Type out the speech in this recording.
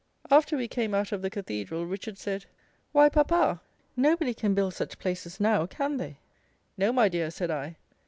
After we came out of the cathedral, Richard said, "Why, Papa, nobody can build such places now, can they?" "No, my dear," said I.